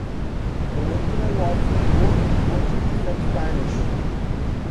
The original was in both Portuguese and Spanish.